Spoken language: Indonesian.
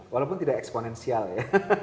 walaupun tidak eksponensial ya